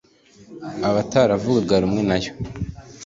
abataravugaga rumwe na yo